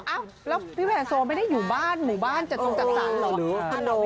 อ้าวแล้วพี่แวร์โซไม่ได้อยู่บ้านหมู่บ้านจัดจงจัดสรรเหรอ